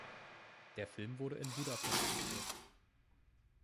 Der Film wurde in Budapest gedreht.